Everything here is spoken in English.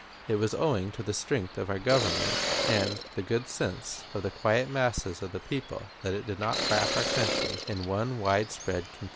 It was owing to the strength of our Government and the good sense of the quiet masses of the people that it did not wrap our country in one widespread conflagration.